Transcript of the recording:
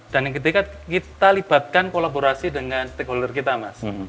yang ketiga kita libatkan kolaborasi dengan stakeholder kita mas